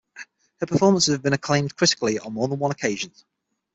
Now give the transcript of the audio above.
Her performances have been acclaimed critically on more than one occasion.